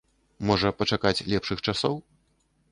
Можа, пачакаць лепшых часоў?